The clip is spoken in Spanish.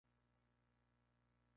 Masaya Matsumoto